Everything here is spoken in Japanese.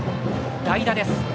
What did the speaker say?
代打です。